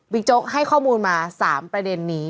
โจ๊กให้ข้อมูลมา๓ประเด็นนี้